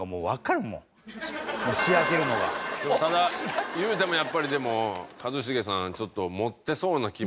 ただいうてもやっぱりでも一茂さんちょっと持ってそうな気も。